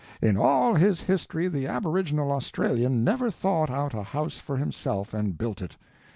In all his history the aboriginal Australian never thought out a house for himself and built it.